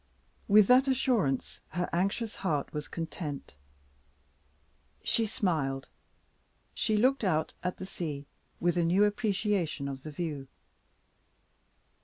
With that assurance her anxious heart was content. She smiled; she looked out at the sea with a new appreciation of the view.